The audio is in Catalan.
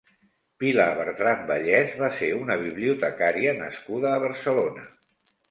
Pilar Bertran Vallès va ser una bibliotecària nascuda a Barcelona.